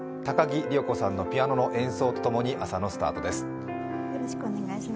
高木里代子さんの演奏とともに朝のスタートです。